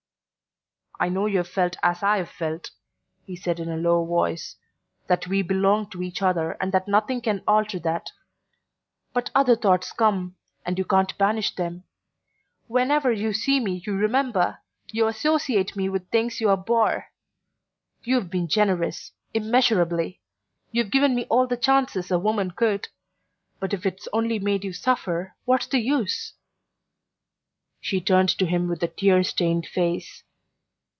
"I know you've felt as I've felt," he said in a low voice "that we belong to each other and that nothing can alter that. But other thoughts come, and you can't banish them. Whenever you see me you remember ... you associate me with things you abhor...You've been generous immeasurably. You've given me all the chances a woman could; but if it's only made you suffer, what's the use?" She turned to him with a tear stained face.